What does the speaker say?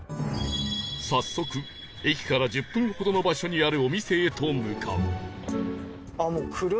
早速駅から１０分ほどの場所にあるお店へと向かう